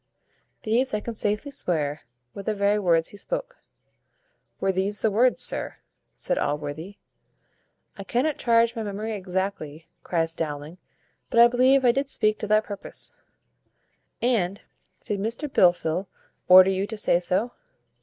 These, I can safely swear, were the very words he spoke." "Were these the words, sir?" said Allworthy. "I cannot charge my memory exactly," cries Dowling, "but I believe I did speak to that purpose." "And did Mr Blifil order you to say so?"